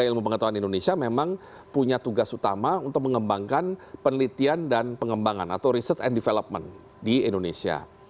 ilmu pengetahuan indonesia memang punya tugas utama untuk mengembangkan penelitian dan pengembangan atau research and development di indonesia